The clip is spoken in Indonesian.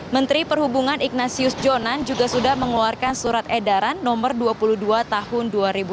menteri perhubungan ignasius jonan juga sudah mengeluarkan surat edaran no dua puluh dua tahun dua ribu enam belas